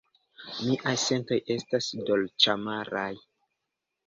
Miaj sentoj estas dolĉamaraj.